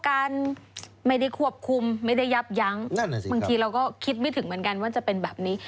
การไม่ได้ควบคุมไม่ได้ยับยั้งบางทีเราก็คิดไม่ถึงเหมือนกันว่าจะเป็นแบบนี้